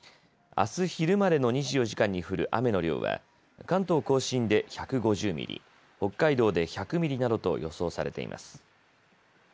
あす昼までの２４時間に降る雨の量は関東甲信で１５０ミリ、北海道で１００ミリなどと予想されています。